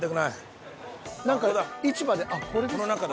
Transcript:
何か市場であっこれですか。